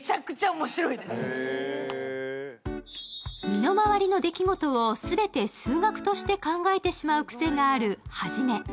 身の回りの出来事を全て数学として考えてしまう癖があるハジメ。